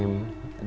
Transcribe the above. dan media juga